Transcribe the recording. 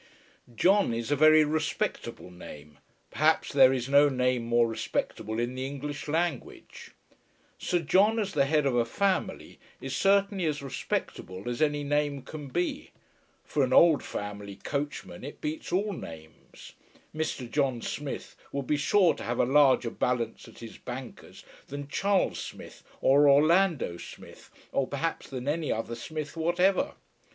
John is a very respectable name; perhaps there is no name more respectable in the English language. Sir John, as the head of a family, is certainly as respectable as any name can be. For an old family coachman it beats all names. Mr. John Smith would be sure to have a larger balance at his banker's than Charles Smith or Orlando Smith, or perhaps than any other Smith whatever.